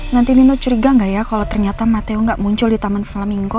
nanti nino curiga gak ya kalau ternyata mateo nggak muncul di taman falaminggo